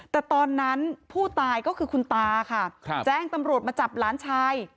แต่ตอนนั้นผู้ตายก็คือคุณตาค่ะแจ้งตำรวจมาจับหลานชาย